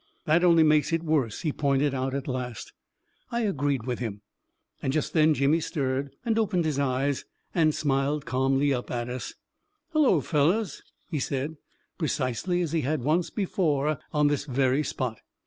u That only makes it worse," he pointed out, at last. I agreed with him .•. And just then Jimmy stirred, and opened his eyes, and smiled calmly up at us. " Hullo, fellows !" he said, precisely as he had once before on this very spot.